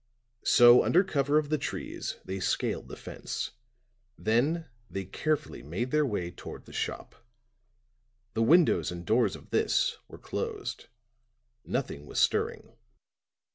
So under cover of the trees they scaled the fence; then they carefully made their way toward the shop. The windows and door of this were closed, nothing was stirring.